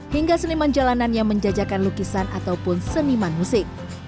hingga seniman jalanan yang menjajakan lukisan ataupun seniman musik